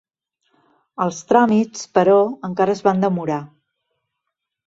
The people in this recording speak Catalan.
Els tràmits, però, encara es van demorar.